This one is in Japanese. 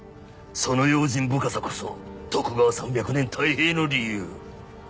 その用心深さこそ徳川３００年太平の理由。